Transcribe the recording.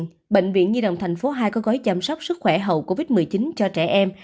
tuy nhiên bệnh viện nhi đồng tp hai có gói chăm sóc sức khỏe hậu covid một mươi chín cho trẻ em